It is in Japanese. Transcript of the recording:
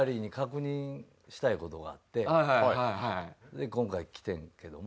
で今回来てんけども。